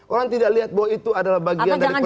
orang tidak lihat bahwa itu adalah bagian dari proses